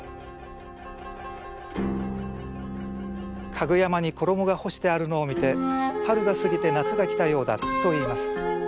香具山に衣が干してあるのを見て春が過ぎて夏が来たようだと言います。